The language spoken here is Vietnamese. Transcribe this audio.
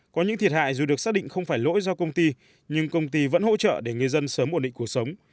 có những thiệt hại dù được xác định không phải lỗi do công ty nhưng công ty vẫn hỗ trợ để người dân sớm ổn định cuộc sống